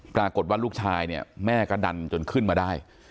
ปรากฏว่าลูกชายเนี่ยแม่ก็ดันจนขึ้นมาได้